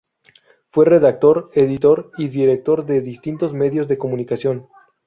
Fue redactor, editor y director de distintos medios de comunicación.